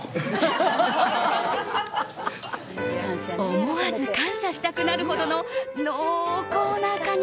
思わず感謝したくなるほどの濃厚なカニ